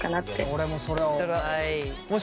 俺もそれは思う。